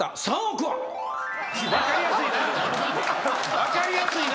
分かりやすいな！